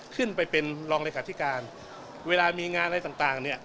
เป็นรองเลขาธิการเวลามีงานอะไรต่างเนี่ย